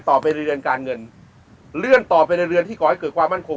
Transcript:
ต่อไปเรื่องกาลเงินเรื่อนต่อไปเรื่องที่ก็ให้เกิดความมั่นคม